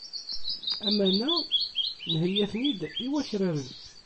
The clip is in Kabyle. Aman-a nheyya-ten-id i wakraren.